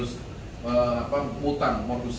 menjelaskan aja tadi